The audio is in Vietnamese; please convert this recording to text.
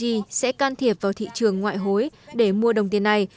đồng yên yếu đã đạt đến giới hạn của thị trường ngoại hối để mua đồng tiền này